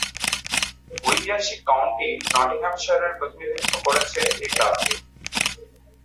ঐতিহাসিক কাউন্টি নটিংহ্যামশায়ারের প্রতিনিধিত্ব করছে এ ক্লাবটি।